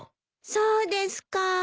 そうですか。